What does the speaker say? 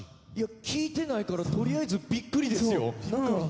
聞いてないから取りあえずびっくりですよ。